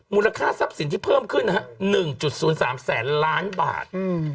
มูลค่าทรัพย์สินที่เพิ่มขึ้นนะฮะ๑๐๓แสนล้านบาท